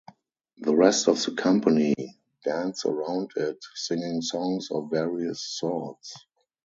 The rest of the company dance around it singing songs of various sorts.